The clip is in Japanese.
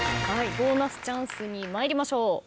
ボーナスチャンスに参りましょう。